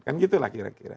kan gitu lah kira kira